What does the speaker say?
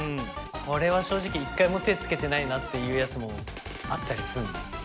これは正直一回も手つけてないなっていうやつもあったりすんの？